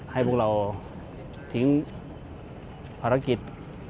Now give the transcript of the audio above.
ให้พวกเราทิ้งภารกิจ